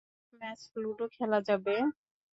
এক match ludo খেলা যাবে।